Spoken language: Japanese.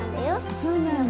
そうなんだ。